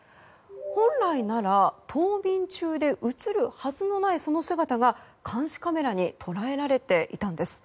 本来なら冬眠中で映るはずのないその姿が監視カメラに捉えられていたんです。